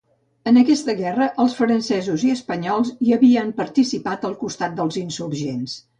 En aquesta guerra els francesos i espanyols hi havien participat al costat dels insurgents.